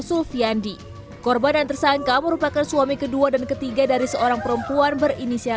sulfiandi korban dan tersangka merupakan suami kedua dan ketiga dari seorang perempuan berinisial